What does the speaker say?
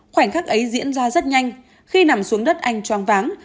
khoảnh khắc ấy diễn ra rất nhanh khi nằm xuống đất anh choáng váng